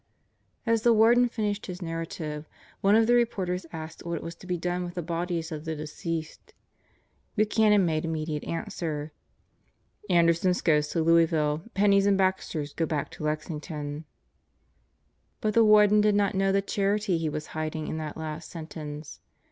As the Warden finished his narrative, one of the reporters asked what was to be done with the bodies of the deceased. Buchanan made Immediate answer. "Anderson's goes to Louisville. Penney's and Baxter's go back to Lexington." But the Warden did not know the charity he was hiding in that last sentence.